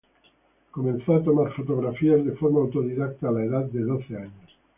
Comenzó a tomar fotografías de forma autodidacta a la edad de doce años.